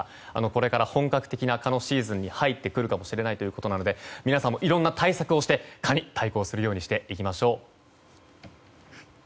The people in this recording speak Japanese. これから本格的な蚊のシーズンに入ってくるかもしれないということなので皆さんもいろんな対策をして蚊に対抗していきましょう。